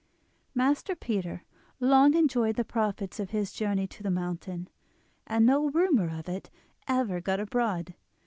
Master Peter long enjoyed the profits of his journey to the mountain, and no rumour of it ever got abroad.